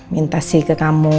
minta sih ke kamu